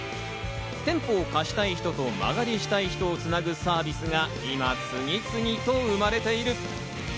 店舗を貸したい人と間借りしたい人をつなぐサービスが今、次々と生まれている。